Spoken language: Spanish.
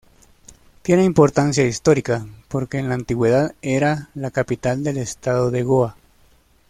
Tiene importancia histórica, porque en la antigüedad era la capital del estado de Goa.